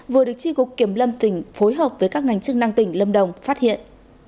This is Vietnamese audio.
vừa được tri cục kiểm lâm tỉnh phối hợp với các ngành chức năng tỉnh lâm đồng phát hiện